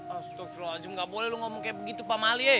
astagfirullahaladzim ga boleh lu ngomel kayak begitu pak mali